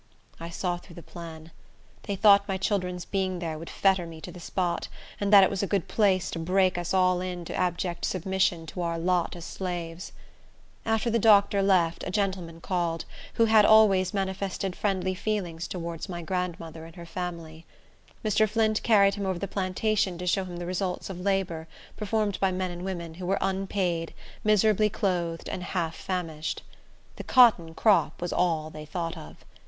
I saw through the plan. They thought my children's being there would fetter me to the spot, and that it was a good place to break us all in to abject submission to our lot as slaves. After the doctor left, a gentleman called, who had always manifested friendly feelings towards my grandmother and her family. Mr. Flint carried him over the plantation to show him the results of labor performed by men and women who were unpaid, miserably clothed, and half famished. The cotton crop was all they thought of.